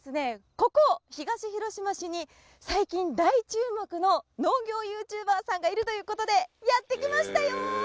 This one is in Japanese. ここ東広島市に最近大注目の農業ＹｏｕＴｕｂｅｒさんがいるという事でやって来ましたよ！